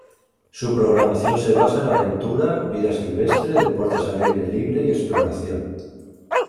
Su programación se basa en aventura, vida silvestre, deportes al aire libre y exploración.